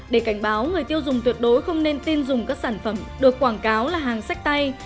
để cảnh báo người tiêu dùng tuyệt đối không nên tin dùng các sản phẩm được quảng cáo là hàng sách tay